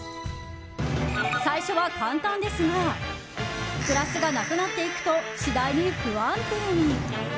最初は簡単ですがグラスがなくなっていくと次第に不安定に。